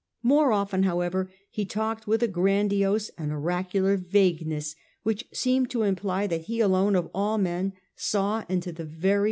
More often, however, he talked with a grandiose and oracular vagueness which seemed to imply that he alone of all men saw into the very 1837 46.